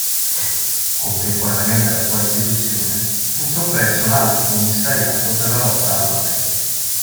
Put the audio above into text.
Contemporaneamente alla sua istituzione fu soppresso l'Alto Commissariato per la lotta alla mafia.